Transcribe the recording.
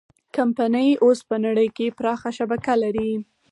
کمپنۍ اوس په نړۍ کې پراخه شبکه لري.